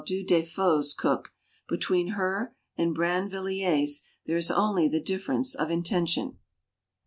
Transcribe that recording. du Deffaud's cook, "Between her and Brinvilliers there is only the difference of intention."